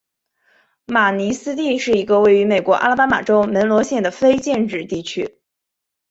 马尼斯蒂是一个位于美国阿拉巴马州门罗县的非建制地区。